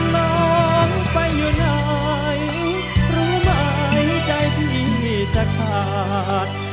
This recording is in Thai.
น้องไปอยู่ไหนรู้ไหมใจพี่จะขาด